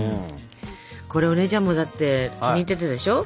これお姉ちゃんもだって気に入ってたでしょ？